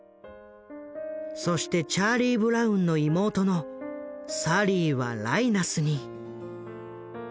そしてチャーリー・ブラウンの妹のサリーはライナスに。